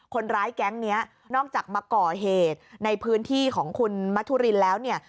แก๊งนี้นอกจากมาก่อเหตุในพื้นที่ของคุณมัธุรินแล้วเนี่ย